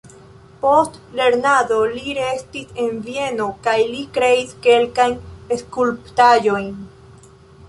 Post lernado li restis en Vieno kaj li kreis kelkajn skulptaĵojn.